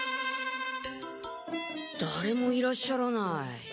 だれもいらっしゃらない。